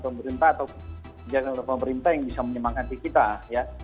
pemerintah atau kebijakan pemerintah yang bisa menyemangati kita ya